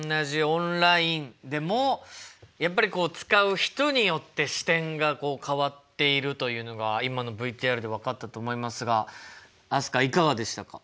オンラインでもやっぱりこう使う人によって視点がこう変わっているというのが今のＶＴＲで分かったと思いますが飛鳥いかがでしたか？